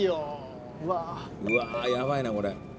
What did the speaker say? うわやばいなこれ。